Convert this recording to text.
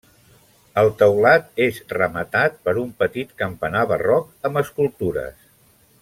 El teulat és rematat per un petit campanar barroc amb escultures.